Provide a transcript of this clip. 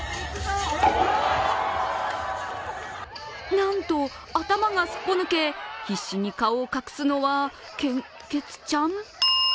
なんと頭がすっぽ抜け、必死に顔を隠すのは献血ちゃん？